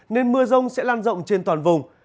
nên mưa rông sẽ lan rộng trên toàn vùng